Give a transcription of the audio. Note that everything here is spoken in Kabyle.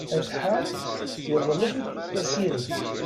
Atḥa yeḍleb-d tasiregt.